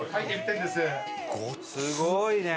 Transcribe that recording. すごいね！